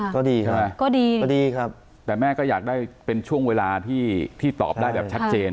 ก็ดีใช่ไหมก็ดีก็ดีครับแต่แม่ก็อยากได้เป็นช่วงเวลาที่ตอบได้แบบชัดเจน